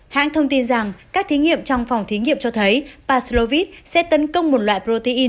hãng thông tin rằng các thí nghiệm trong phòng thí nghiệm cho thấy paslovit sẽ tấn công một loại protein